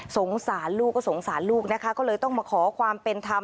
สงสารลูกก็สงสารลูกนะคะก็เลยต้องมาขอความเป็นธรรม